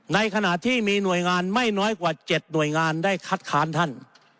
ในขณะที่มีหน่วยงานไม่น้อยกว่า๗หน่วยงานได้คัดค้านท่าน